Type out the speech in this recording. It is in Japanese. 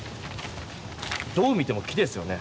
どう見ても木ですよね。